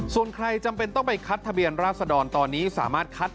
ส่วนใครจำเป็นต้องไปคัดทะเบียนราศดรตอนนี้สามารถคัด